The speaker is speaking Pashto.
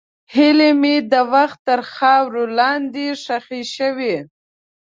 هیلې مې د وخت تر خاورو لاندې ښخې شوې.